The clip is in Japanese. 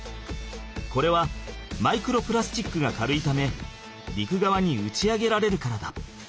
これはマイクロプラスチックが軽いため陸側に打ち上げられるからだ。